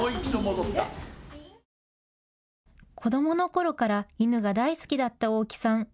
子どものころから犬が大好きだった大木さん。